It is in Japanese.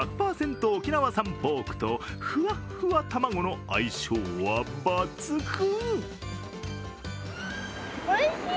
沖縄産ポークとふわふわたまごの相性は抜群。